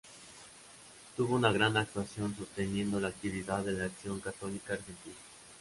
Tuvo una gran actuación sosteniendo la actividad de la Acción Católica Argentina.